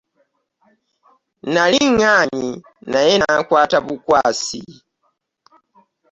Nnali ŋŋaanyi naye n'ankwata bukwasi.